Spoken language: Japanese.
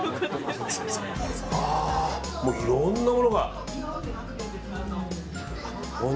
いろんなものが。